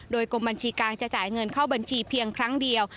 โดยกรมบัญชีกลางจะจ่ายเงินเข้าบัญชีเพียงครั้งเดียว